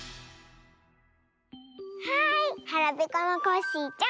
はいはらぺこのコッシーちゃん